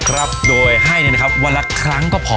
ครับโดยให้เนี่ยนะครับวันละครั้งก็พอ